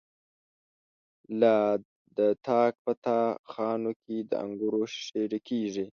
لا د تاک په تا خانو کی، دانګور ښيښی ډکيږی